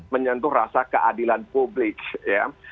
menyentuh rasa keadilan publik ya